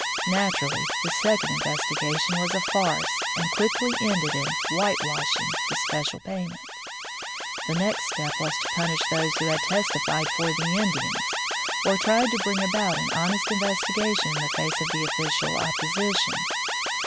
Naturally, the second investigation was a farce and quickly ended in "white washing" the special payment. The next step was to punish those who had testified for the Indians or tried to bring about an honest investigation in the face of official 131 From the Deep Woods to Civilization opposition.